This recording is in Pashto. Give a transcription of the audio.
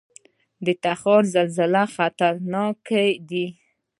د تخار زلزلې خطرناکې دي